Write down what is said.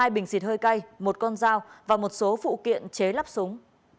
hai bình xịt hơi cay một con dao và một số phụ kiện chế lắp súng